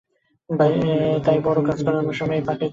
তাই বড়ো কাজ করবার সময় এই পাঁকের দাবির হিসেবটি ধরা চাই।